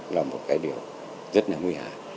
là một cái điều rất là nguy hại